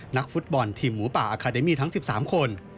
นักฟุตบอลทีมหมูป่าอาคาเดมี่ทั้ง๑๓คน